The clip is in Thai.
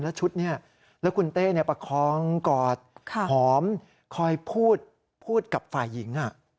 แล้วชุดนี้แล้วคุณเต้ประคองกอดหอมคอยพูดพูดกับฝ่ายหญิง